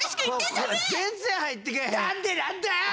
何でなんだよ！